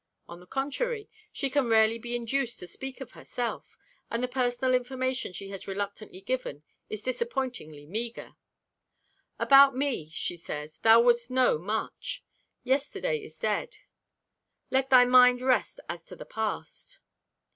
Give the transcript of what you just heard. On the contrary, she can rarely be induced to speak of herself, and the personal information she has reluctantly given is disappointingly meager. "About me," she says, "thou wouldst know much. Yesterday is dead. Let thy mind rest as to the past."